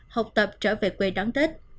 học tập trở về quê đón tết